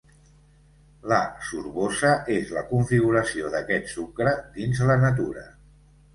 La -Sorbosa és la configuració d'aquest sucre dins la natura.